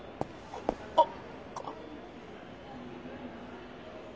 あっ！